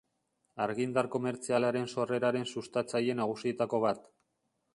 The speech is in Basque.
Argindar komertzialaren sorreraren sustatzaile nagusietako bat.